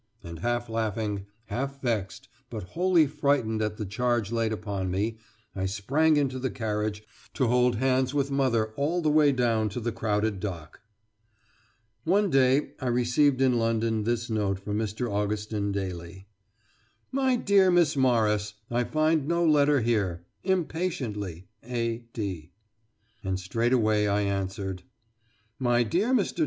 And half laughing, half vexed, but wholly frightened at the charge laid upon me, I sprang into the carriage, to hold hands with mother all the way down to the crowded dock. One day I received in London this note from Mr. Augustin Daly: "MY DEAR MISS MORRIS: I find no letter here. Impatiently, A. D." And straightway I answered: "MY DEAR MR.